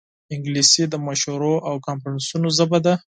انګلیسي د مشورو او کنفرانسونو ژبه ده